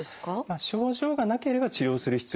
症状がなければ治療する必要はありません。